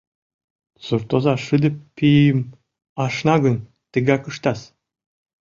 Суртоза шыде пийым ашна гын, тыгак ыштас.